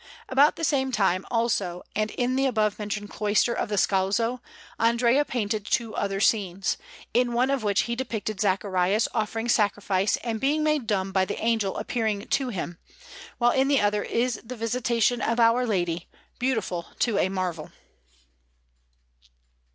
About the same time, also, and in the above mentioned cloister of the Scalzo, Andrea painted two other scenes, in one of which he depicted Zacharias offering sacrifice and being made dumb by the Angel appearing to him, while in the other is the Visitation of Our Lady, beautiful to a marvel.